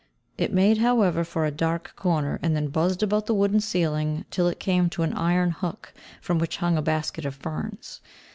It made, however, for a dark corner, and then buzzed about the wooden ceiling till it came to an iron hook from which hung a basket of ferns.